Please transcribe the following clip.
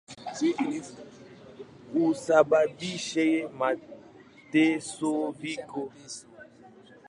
Husababisha mateso, vifo na kuharibika kwa mali ya watu pamoja na mazingira asilia.